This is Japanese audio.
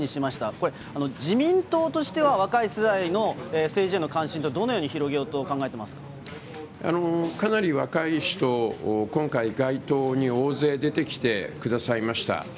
これ、自民党としては若い世代の政治への関心を、どのように広げようとかなり若い人、今回、街頭に大勢出てきてくださいました。